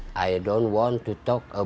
saya nggak mau bicara tentang itu